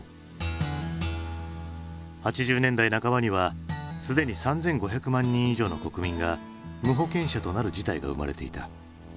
８０年代半ばにはすでに３，５００万人以上の国民が無保険者となる事態が生まれていた。